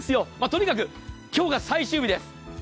とにかく今日が最終日です。